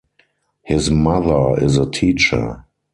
His mother is a teacher.